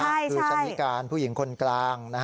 คือชะนิการผู้หญิงคนกลาง